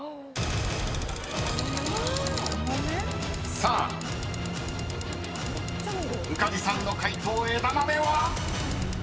［さあ宇梶さんの解答枝豆は⁉］